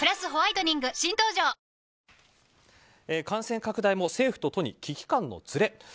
感染拡大も政府と都に危機感のずれ。